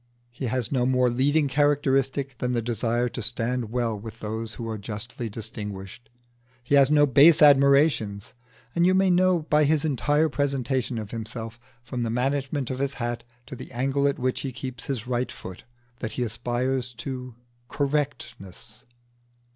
He has no more leading characteristic than the desire to stand well with those who are justly distinguished; he has no base admirations, and you may know by his entire presentation of himself, from the management of his hat to the angle at which he keeps his right foot, that he aspires to correctness.